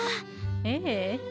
ええ。